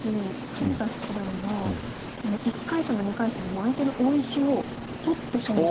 富士田七段は１回戦も２回戦も相手の大石を取って勝利してるんです。